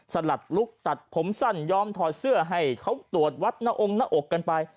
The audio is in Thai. สลัดลุคตัดผมสั้นยอมถอดเสื้อให้เขาตรวจวัดหน้าองค์หน้าอกกันไป